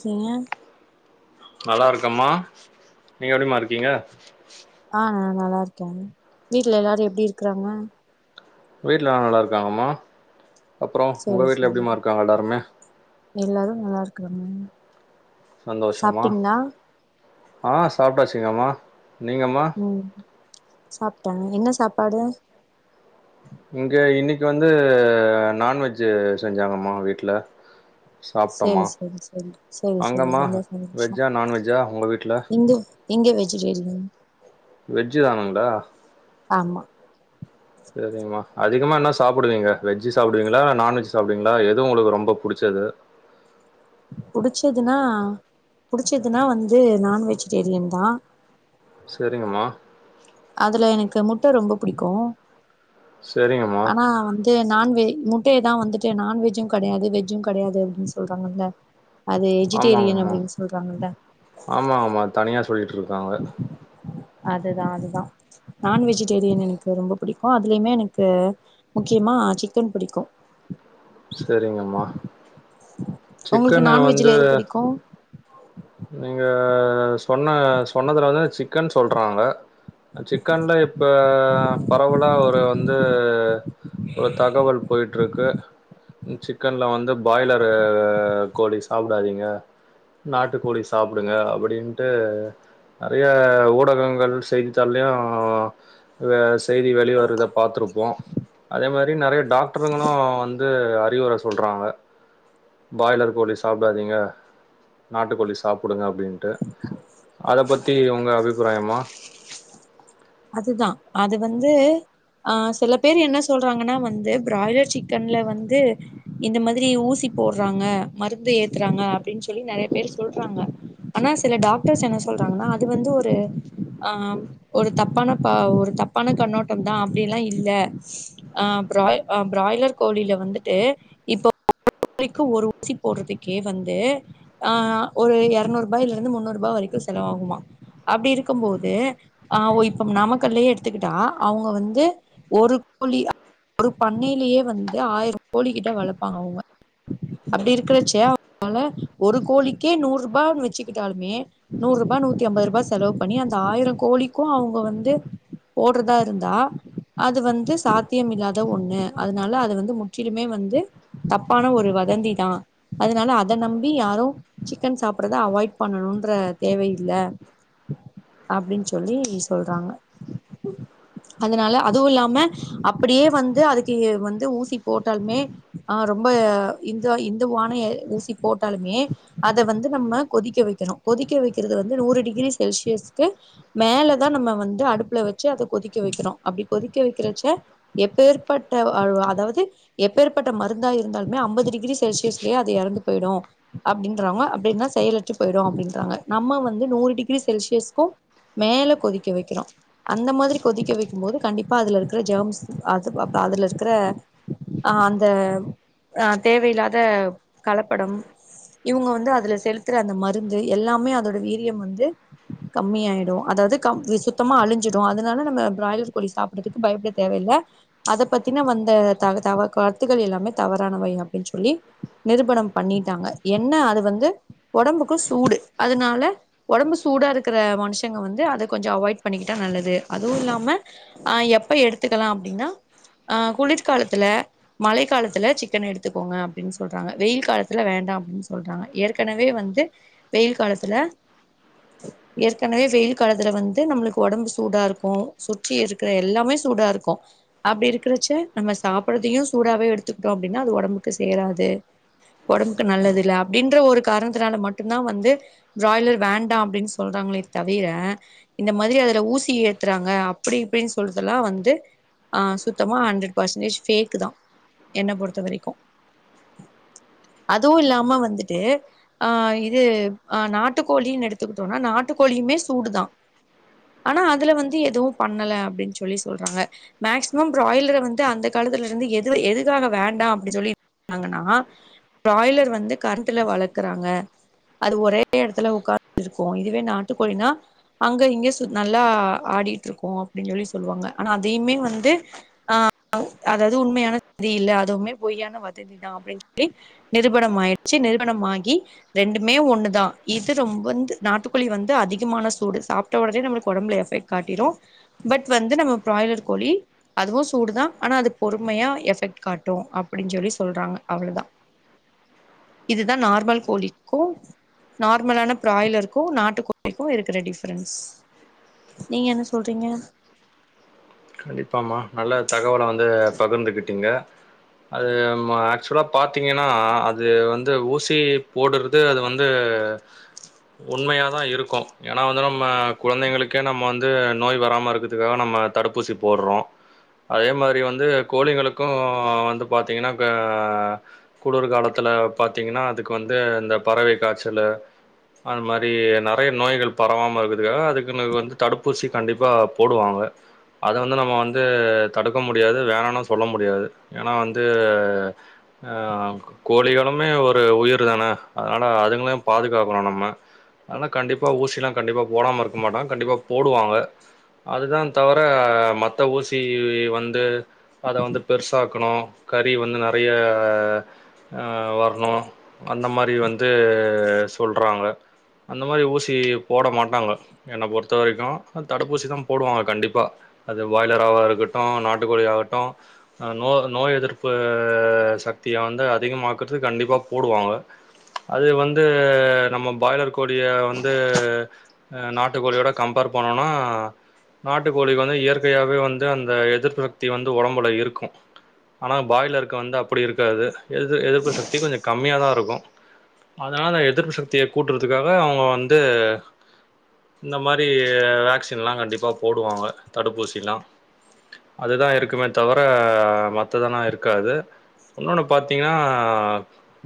கீங்க நல்லா இருக்கம்மா நீங்க எப்படிமா இருக்கீங்க ஆ நா நல்லாருக்கே வீட்ல எல்லாரு எப்டி இருக்குறாங்க வீட்லலா நல்லாருக்காங்கம்மா அப்பறோ சேரி உங்க வீட்ல சேரி எப்டிமா இருக்காங்க எல்லாருமே எல்லாரு நல்லாருக்குறாங்க சாப்ட்டீங்ண்ணா அ சாப்பிட்டாச்சுங்கம்மா நீங்கம்மா ம் சாப்ட்டே என்ன சாப்பாடு இங்க இன்னிக் வந்து நான்வெஜ்ஜி செஞ்சாங்கம்மா வீட்ல சாப்ட்டமா சேரி சேரி சேரி சேரி சேரி அங்கம்மா ரொம்ப சந்தோஷோ வெஜ்ஜா நான்வெஜ்ஜா உங்க வீட்ல இங்க இங்க வெஜிடேரியன் வெஜ்ஜி தானுங்ளா ஆமா செரிங்மா அ திகமா என்ன சாப்புடுவீங்க வெஜ்ஜி சாப்டுவீங்ளா இல்ல நான்வெஜ் சாப்டுவீங்ளா எது உங்குளுக்கு ரொம்ப புடிச்சது புடிச்சதுனா புடிச்சதுனா வந்து நான் வெஜிடேரியன் தா செரிங்கம்மா அதுல எனக்கு முட்ட ரொம்ப புடிக்கோ சரிங்கம்மா ஆனா வந்து நான்வெ மு டய தா வந்துட்டு நான்வெஜ்ஜு கெடையாது வெஜ்ஜு கெடையாது அப்டின் சொல்றாங்கல்ல அது வெஜிடேரியன் ஆமாங்கம்மா அப்டின் சொல்றாங்கல்ல காங்க அதுதா அதுதா நான்வெஜிடேரியன் எனக்கு ரொம்ப புடிக்கு அதுலயுமே எனக்கு முக்கியமா சிக்கன் புடிக்கு செரிங்கம்மா உங்களுக்கு சிக்கன வந்து நான்வெஜ்ல எது பிடிக்கு நீங்க சொன்ன சொன்னதுல வந்து சிக்கன் சொல்றாங்க சிக்கன்ல இப்போ பரவல ஒரு வந்து ஒரு தகவல் போய்ட்ருக்கு சிக்கன்ல வந்து பாய்லரு கோழி சாப்டாதீங்க நா ட்டு கோழி சாப்டுங்க அப்படின்ட்டு நெறைய ஊடகங்கள் செய்தித்தாலியு செய்தி வெளிவருற்த பாத்துருப்போ அதே மாரி ப்டின் நெறைய டாக்டருங்களு வந்து சில அறிவுர சொல்றாங்க பாய்லர் கோழி சாப்டாதீங்க நாட்டுக்கோழி சாப்புடுங்க அ அப்டின்ட்டு அத பத்தி உங்க அபிப்பிராயமா அதுதா அது வந்து அ சில பேர் என்ன சொல்றாங்கன்னா வந்து பிராய்லர் சிக்கன்ல வந்து இந்த மாதிரி ஊசி போட்றாங்க மருந்து ஏத்துறாங்க அப்டின் சொல்லி நெறைய பேரு சொல்றாங்க ஆனா சில டாக்டஸ் என்ன சொல்றாங்கனா அது வந்து ஒரு அ ஒரு தப் பான ஒரு தப்பான கண்ணோட்டோந்தா அப்டியெல்லா இல்ல அ [unintelligible] அ பிராய்லர் கோழில வந்துட்டு இப்போ கோழிக்கு ஒரு ஊசி போட்றதுக்கே வந்து அ ஒரு எர்நூருபாய்லருந்து முன்னூருபா வரைக்கு செலவாகுமா அப்டி இருக்கும் போது அ ஒ இப் ம் நாமக்கல்லயே எடுத்துக்கிட்டா அவுங்க வந்து ஒரு கோழி ஒரு பண்ணைலியே வந்து ஆயிரோ கோழி கிட்ட வளப்பாங்க அவுங்க அப்டி இருக்கிறச்ச [inaudible] னால ஒரு கோழிக்கே நூறுபான் வெச்சுக்கிட்டாலுமே நூறுபா நூத்தி ஐம்பதுருபா செலவு பண்ணி அந்த ஆயிரோ கோழிக்கு அவுங்க வந் ந்து போட்றதா இருந்தா அது வந்து சாத்தியம் இல்லாத ஒண்ணு அதனால அது வந்து முற்றிலுமே வந்து தப்பான ஒரு வதந்தி தா அதனால அத நம்பி யாரு சிக்கன் சாப்ட்றத அவாய்ட் பண்ணணுன்ற தேவையில்ல அப்டின் சொல்லி சொல்றாங்க அதனால அதுவு இல்லாம அப்படியே வந்து அதுக்கு வந்து ஊசி போட்டால்மே அ ரொம்ப இந்து இந்துவான அ ஊசி போட்டாலுமே அத வந்து நம்ம கொதிக்க வைக்கணு கொதிக்க வைக்கிறது வந்து நூறு டிகிரி செல்சியஸ்க்கு மேலதா நம்ம வந் து அடுப்பல வெச்சு அத கொதிக்க வைக்கிறோ அப்டி கொதிக்க வைக்கறச்ச எப்பேற்பட்ட அதாவ் அதாவ்து எப்பேற்பட்ட மருந்தா இருந்தாலுமே அம்பது டிகிரி செல்சியஸ்ல்யே அது எறந்து போய்டு அப்டின்றாங்க அப்டின்னா அது செயலற்று போய்டோ அப்டின்றாங்க நம்ம வந்து நூறு டிகிரி செல்சியஸ்கோ மேல கொதிக்க வெக்கிறோ அந்த மாதிரி கொதிக்க வெக்கும் போது கண்டிப்பா அதுல இருக்கற ஜம்ஸ் அது அப் அதுல இருக்கிற அ அந்த அ தேவையில்லாத கலப்படம் இவுங்க வந்து அதுல செலுத்துற அந்த மருந்து எல்லாமே அதோட வீரியம் வந்து கம்மியாயிடு அதாவ்து கம் [unintelligible] த்தமா அழிஞ்சிடு அதனால நம்ம பிராய்லர் கோழி சாப்பிட்றதுக்கு பயப்ட தேவயில்ல அத பத்தினா வந்த த த வ கருத்துகள் எல்லாமே தவறானவை அப்டின் சொல்லி நிருபணம் பண்ணிட்டாங்க என்ன அது வந்து ஒடம்புக்கு‌ சூடு அதனால ஒடம்பு சூடா இருக்கிற மனுஷங்க வந்து அத கொஞ்சோ அவாய்ட் பண்ணிக்கிட்டா நல்லது அதுவு இல்லாம அ எப்ப எடுத்துக்கலா அப்டினா அ குளிர்காலத்துல மழை காலத்துல சிக்கனை எடுத்துக்கோங்க அப்டின் சொல்றாங்க வெயில் காலத்துல வேண்டா அப்டின் சொல்றாங்க ஏற்கனவே வந்து வெயில் காலத்துல ஏற்கனவே வெயில் காலத்துல வந்து நம்ப்ளுக் ஒடம்பு சூடா இருக்கோ சுற்றி இருக்கிற எல்லாமே சூடா இருக்கோ அப்டி இருக்கறச்ச நம்ம சாப்பற்தியு சூடாவே எடுத்துக்கிட்டோ அப்டினா அது ஒடம்புக்கு சேராது ஒடம்புக்கு நல்லது இல்ல அப்டின்ற ஒரு கார்ணத்துனால மட்டுந்தா வந்து பிராய்லர் வேண்டா அப்டின் சொல்றாங்களே தவிர இந்த மாதிரி அது ஊசி ஏத்துறாங்க அப்டி இப்டின் சொல்றதுல்லா வந்து அ சுத்தமா ஹண்ரட் பேசன்டேஜ் ஃபேக்கு தா என்ன பொறுத்த வரைக்கு அதுவு இல்லாம வந்துட்டு அ இது அ நாட்டுக்கோழின்னு எடுத்துக்கிட்டோனா நாட்டுக்கோழியுமே சூடுதா ஆனா அதுல வந்து எதுவு பண்ணல அப்டின் சொல்லி சொல்றாங்க மேக்சிமம் பிராய்லர வந்து அந்த காலத்துல இருந்து எது எதுக்காக வேண்டா அப்டின் சொல்லி [inaudible] ன்னாங்கன்னா பிராய்லர் வந்து கரண்ட்ல வளர்க்கறாங்க அது ஒரே எடத்துல உக்கார்துருக்கோ இதுவே நாட்டுக்கோழினா அங்க இங்க சுத் நல்லா ஆடிட்ருக்கோ அப்டின்னு சொல்லி சொல்லுவாங்க ஆனா அதையுமே வந்து ஆ அதாவது உண்மையானது இல்ல அதுவுமே பொய்யான வதந்தி தா அப்டின்னு சொல்லி நிருபண ஆயிடுச்சு நிருபண ஆயி ரெண்டுமே ஒண்ணுதா இது ரொம்ப வந்து நாட்டுக்குழி வந்து அதிகமான சூடு சாப்ட்ட ஒட நமக்கு ஒடம்பில எஃபெக்ட் காட்டிரு பட் வந்து நம்ம பிராய்லர் கோழி அதுவு சூடுதா ஆனா அது பொறுமையா எஃபெக்ட் காட்டு அப்டின் சொல்லி சொல்றாங்க அவ்ளோதா இதுதா நார்மல் கோழிக்கு நார்மலான பிராய்லர்க்கு நாட்டுக்கோழிக்கு இருக்குற டி ப்பரன்ஸ் நீங்க என்ன சொல்றீங்க கண்டிப்பாமா நல்ல தகவல வந் து பகிர்ந்துக்கிட்டிங்க அது ஆக்சுவலா பாத்தீங்கன்னா அது வந்து ஊசி போடுறது அது வந்து உண்மையாதா இருக்கு ஏன்னா வந்து நம்ம குழந்தைங்களுக்கே நம்ம வந்து நோய் வராம இருக்கிறதுக்காக நம்ம தடுப்பூசி போடுறோ அதே மாரி வந்து கோழிங்களுக்கு வந்து பாத்தீங்கன்னா கா குளுர் காலத்தில பாத்தீங்கன்னா அதுக்கு வந்து இந்த பறவை காய்ச்சலு அந்த மாரி நெறைய நோய்கள் பரவாமல் இருக்கிறதுக்காக அதுக்குனு வந்து தடுப்பூசி கண்டிப்பா போடுவாங்க அத வந்து நம்ம வந்து தடுக்க முடியாது வேணானு சொல்ல முடியாது ஏன்னா வந்து அ கோழிகளுமே ஒரு உயிர் தான அதனால அதுங்களையு பாதுகாக்கணு நம்ம அதனால கண்டிப்பா ஊசியல்லா கண்டிப்பா போடாம இருக்க மாட்டோ கண்டிப்பா போடுவாங்க அதுதா தவ ர மத்த ஊசி வந்து அத வந்து பெருசாக்கணு கறி வந்து நெறைய அ வரணு அந்த மாரி வந்து சொல்கிறாங்க அந்த மாரி ஊசி போட மாட்டாங்க என்ன பொறுத்த வரைக்கு தடுப்பூசி தா போடுவாங்க கண்டிப் ப்ப அது பாய்லராக இருக்கட்டு நாட்டுக்கோழியாகட்டு நோ நோய் எதிர்ப்பு சக்திய வந்து அதிகமாக்குறிறது கண்டிப்பாக போடுவாங்க அது வந்து நம்ம பாய்லர் கோழிய வந்து நாட்டுக்கோழியோட கம்பேர் பண்ணோனா நாட் ட்டு கோழிக்கு வந்து இயற்கையாவே வந்து அந்த எதிர்ப்புசக்தி வந்து ஒடம்பல இருக்கு ஆனா பாய்லருக்கு வந்து அப்டி இருக்காது எதிர் எத்ப்பு ச்தி கொஞ்சகம்மியா தா இருக் க்கு அதனால எதிர்ப்பு சக்திய கூட்டுறதுக்காக அவங்க வந்து இந்த மாரி அ வேக்சின்ல்லா கண்டிப்பா போடுவாங்க தடுப்பூசிலா அதுதா இருக்குமே தவிர மத்ததல்லா இருக்காது இன்னொன்னு பாத்தீங்கன்னா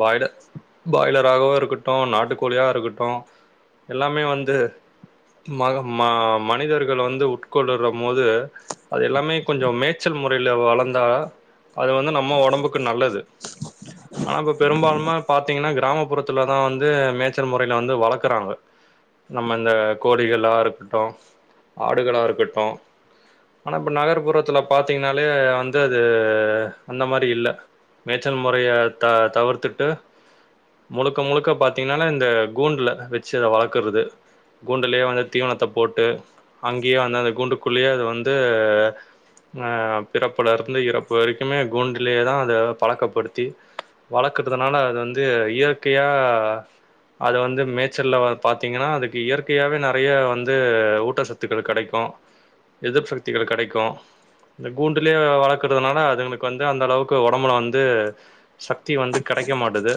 பாயில பாயிலராகவு இருக்கட்டு நாட்டுக்கோழியா இருக்கட்டு எல்லாமே வந்து மக மா மனிதர் கள் வந்து உட்கொள்ளறம் போது அது எல்லாமே கொஞ்ச மேய்ச்சல் முறையில வளந்தா அது வந்து நம்ம ஒடம்புக்கு நல்லது ஆனா இப்ப பெரும்பாலும்ம பாத்தீங்கன்னா கிராமப்புறத்துலதா வந்து மேச்சல் முறையில வந்து வளக்குறாங்க நம்ம இந்த கோழிகளா இருக்கட்டு ஆடுகளா இருக்கட்டு ஆனா இப்ப நகர்ப்புறத்துல பாத்தீங்கன்னாலே வந்து அது அந்த மாரி இல்ல மேச்சல் முறைய த தவிர்த்துட்டு முழுக்க முழுக்க பாத்தீங்கன்னாலே இந்த கூண்டுல வச்சு அத வளக்கறது கூண்டுலயே வந்து தீவனத்த போட்டு அங்கேயு அந்த கூண்டுக்குள்ளேயே அது வந்து ஆ பிறப்புல இருந்து இறப்பு வரைக்குமே கூண்டுலயே தா அத பழக்கப்படுத்தி வளக்கறதுனால அது வந்து இயற்கையா அது வந்து மேச்சல்ல பாத்தீங்கன்னா அதுக்கு இயற்கையாவே நெறைய வந்து ஊட்டச்சத் துக்கள் கெடைக்கு எதிர்பு சக்திகள் கெடைக்கு இந்த கூண்டுலயே வளக்குறதுனால அதுங்களுக்கு வந்து அந்த அளவுக்கு ஒடம்புல வந்து சக்தி வந்து கெடைக்க மாட்டுது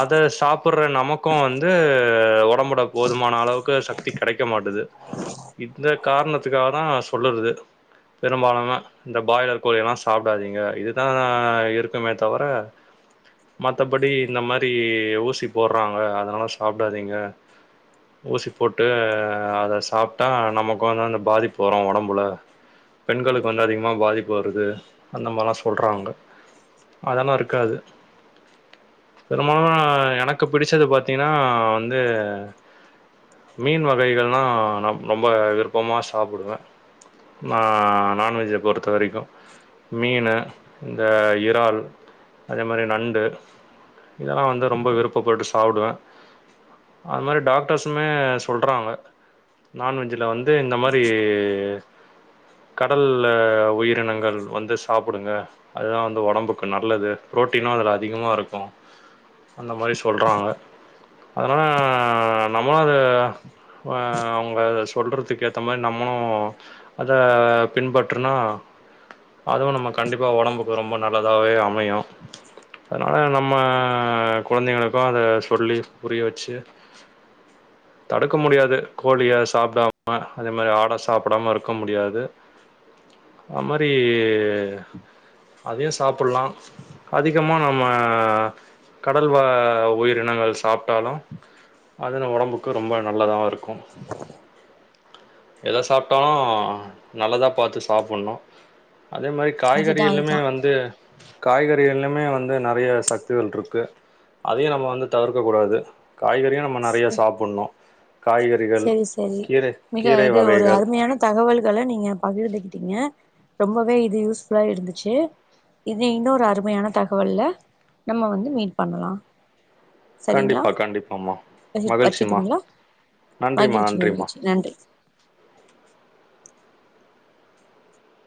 அத சாப்பு அப்பற நமக்கு வந்து ஒடம்போட போதுமான அளவுக் கு சக்தி கெடைக்க மாட்டுது இந்த காரணத்துக்காக தா சொல்லறது பெரும்பாலு இந்த பிராய்லர் கோழியெல்லா சாப்டாதீங்க இதுதா இருக்குமே தவர மத்தபடி இந்த மாரி ஊசி போட்றாங்க அதனால சாப்டாதீங்க ஊசி போட்டு அத சாப் ட்டா நமக்கு வந்து அந்த பாதிப்பு வரும் ஒடம்புல பெண்களுக்கு வந்து அதிகமாக பாதிப்பு வருது அந்த மாதிரிலா சொல்றாங்க அதெல்லா இருக்காது பெரும்பாலு எனக்கு பிடிச்சது பாத்தீங்கன்னா வந்து மீன் வகைகள்லா ந ரொம்ப விருப்பமா சாப்டுவே நா நான்வெஜை பொறுத்த வரைக்கு மீன்னு இந்த இறால் அதே மாதிரி நண்டு இதெல்லா வந்து ரொம்ப விருப்பப்பட்டு சாப்டுவே அது மாரி டாக்டர்ஸுமே சொல்றாங்க நான்வெஜ்ல வந்து இந்த மாரி கடல்ல உயிரினங்கள் வந்து சாப்டுங்க அதுதா வந்து ஒடம்புக்கு நல்லது பு்ரோட்டீனு அதுல அதிகமா இருக்கு அந்த மாரி சொல்றாங்க அதனா நம்ம அது க சொல்றதுக்கு ஏத்த மாரி நம்மளு அத பின்பற்றுனா அதுவு நம்ம கண்டிப்பா ஒடம்புக்கு ரொம்ப நல்லதாவே அமையு அதனால நம்ம குழந்தைங்களுக்கு அதை சொல்லி புரிய வச்சு தடுக்க முடியாது கோழிய சாப்பிடாம அதே மாரி ஆட சாப்டாம இருக்க முடியாது அது மாரி அதையு சாப்புல்லா அதிகமாக நம்ம கடல்வாழ் உயிரினங்கள் சாப்ட்டாலு அதில் ஒடம்புக்கு ரொம்ப நல்லத இருக் எத சாப்பிட்டாலு நல்லதா பாத்து சாப்பணு அதே மாரி அதுதா காய்கறிகலுமே அதுதா வந்து காய்கறிகலுமே வந்து நெறைய சக்திகள் இருக்கு அதையு நம்ம வந்து தவிர்க்க கூடாது காய்கறியு நம்ம நெறைய சாப்பணு காய்கறிகள் செரி செரி கீரை மிக இது ஒரு வகைகள் அருமையான தகவல்கள நீங்க பகிர்ந்துக்கிட்டீங்க ரொம்பவே இது யூஸ்புல்லா இருந்துச்சு இது இன்னு ஒரு அருமையான தகவல்ல நம்ம வந்து மீட் பண்ணலா சரிங்களா கண்டிப்பா கண்டிப்பமா வச் மகிழ்ச்சிமா வச்சுட்டுங்களா நன்றிமா மகிழ்ச்சி நன்றிமா மகிழ்ச்சி நன்றி